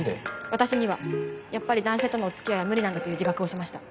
私にはやっぱり男性とのお付き合いは無理なんだという自覚をしました。